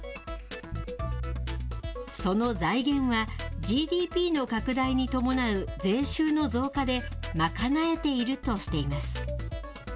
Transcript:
その財源は、ＧＤＰの拡大に伴う税収の増加で賄えているとしています。